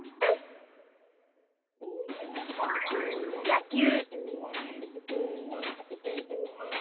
「野球」。